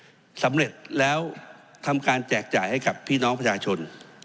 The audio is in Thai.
สำเร็จแล้วทำการแจกจ่ายให้กับพี่น้องประชาชน